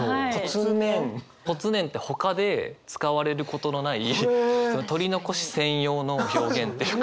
「ぽつねん」ってほかで使われることのない取り残し専用の表現っていうか。